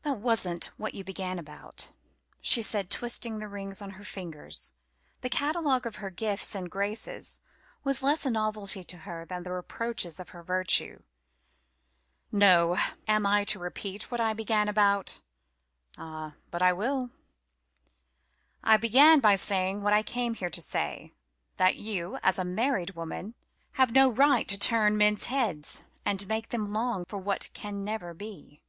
"That wasn't what you began about," she said, twisting the rings on her fingers. The catalogue of her gifts and graces was less a novelty to her than the reproaches to her virtue. "No am I to repeat what I began about? Ah but I will. I began by saying what I came here to say: that you, as a married woman, have no right to turn men's heads and make them long for what can never be."